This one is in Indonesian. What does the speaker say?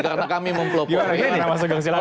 karena kami mempelopor